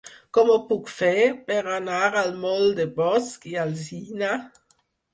Com ho puc fer per anar al moll de Bosch i Alsina?